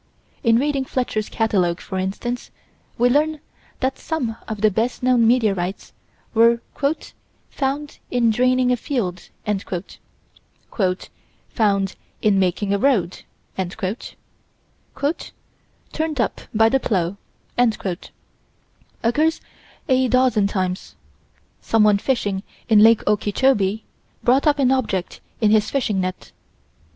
In reading Fletcher's catalogue, for instance, we learn that some of the best known meteorites were "found in draining a field" "found in making a road" "turned up by the plow" occurs a dozen times. Someone fishing in Lake Okeechobee, brought up an object in his fishing net.